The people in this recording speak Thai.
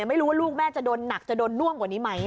ไม่รู้ว่าลูกแม่จะโดนหนักจะโดนน่วงกว่านี้ไหม